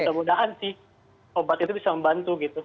mudah mudahan sih obat itu bisa membantu gitu